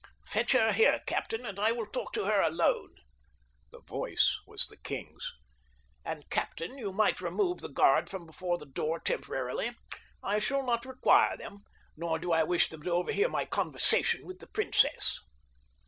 "Fetch her here, captain, and I will talk with her alone." The voice was the king's. "And, captain, you might remove the guard from before the door temporarily. I shall not require them, nor do I wish them to overhear my conversation with the princess."